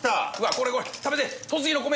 これこれ食べて栃木の米！